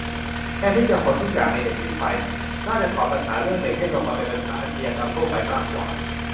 แทนที่จะขนทุกอย่างในเน็ตขึ้นไป น่าจะถอดปัญหาเรื่องเน็ตให้ลงมาเป็นปัญหาอาชญากรรมทั่วไปมากกว่า